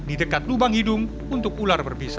di dekat lubang hidung untuk ular berbisa